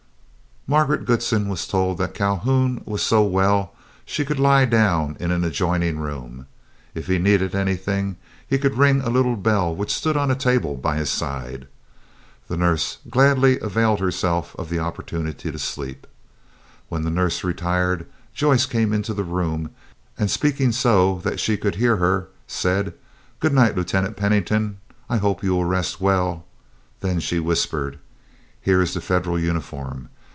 Margaret Goodsen was told that as Calhoun was so well, she could lie down in an adjoining room. If he needed anything, he could ring a little bell which stood on a table by his side. The nurse gladly availed herself of the opportunity to sleep. When the nurse retired Joyce came into the room, and speaking so that she could hear her, said, "Good night, Lieutenant Pennington; I hope you will rest well." Then she whispered, "Here is the Federal uniform.